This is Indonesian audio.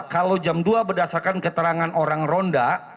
kalau jam dua berdasarkan keterangan orang ronda